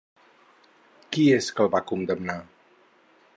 Qui és que el va condemnar?